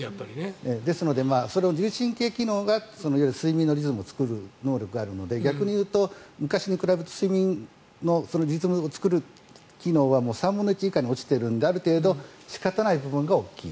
ですので、それを自律神経機能がいわゆる睡眠のリズムを作る能力があるので逆に言うと昔に比べて睡眠のリズムを作る機能は３分の１以下に落ちているのである程度仕方ない部分が大きい。